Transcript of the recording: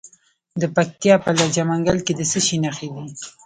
د پکتیا په لجه منګل کې د څه شي نښې دي؟